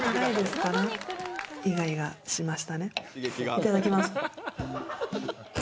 いただきます。